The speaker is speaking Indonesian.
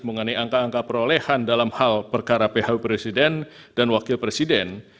mengenai angka angka perolehan dalam hal perkara phw presiden dan wakil presiden